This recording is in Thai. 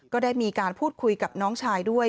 ก็ได้มีการพูดคุยกับน้องชายด้วย